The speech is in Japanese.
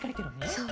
そう。